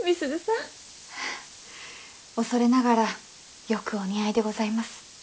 恐れながらよくお似合いでございます。